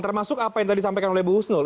termasuk apa yang tadi disampaikan buk usnul